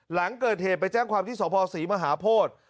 หลังเกิดเหตุไปแจ้งความที่สภศรีมหาโพธิ